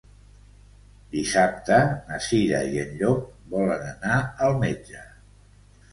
Dissabte na Cira i en Llop volen anar al metge.